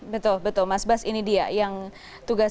betul betul mas bas ini dia yang tugas